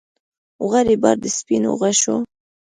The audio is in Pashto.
غواړي بار د سپینو غشو